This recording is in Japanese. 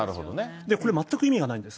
これ、全く意味がないんです。